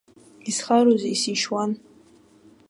Исхароузеи, сишьуан.